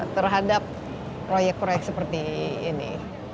terhadap proyek proyek seperti ini